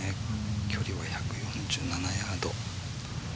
距離は１４７ヤード。